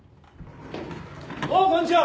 おうこんちは！